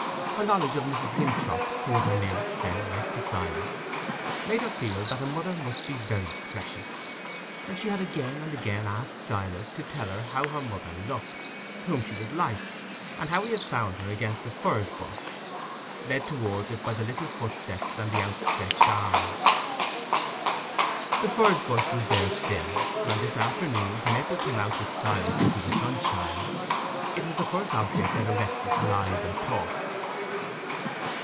Her knowledge of Mrs. Winthrop, who was her nearest friend next to Silas, made her feel that a mother must be very precious; and she had again and again asked Silas to tell her how her mother looked, whom she was like, and how he had found her against the furze bush, led towards it by the little footsteps and the outstretched arms. The furze bush was there still; and this afternoon, when Eppie came out with Silas into the sunshine, it was the first object that arrested her eyes and thoughts.